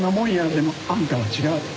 でもあんたは違う。